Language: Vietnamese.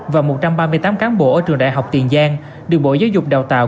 và một trăm ba mươi tám cán bộ ở trường đại học tiền giang được bộ giáo dục đào tạo